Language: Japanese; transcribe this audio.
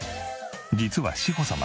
実は志保様